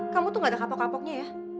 kamu tuh gak ada kapok kapoknya ya